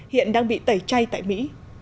hiện đang bị tẩy chay tại mỹ